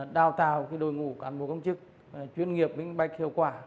đào tạo đội ngũ cán bộ công chức chuyên nghiệp minh bạch hiệu quả